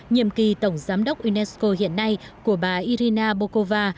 nhiệm kỳ tổng giám đốc unesco hiện nay của bà irina bokova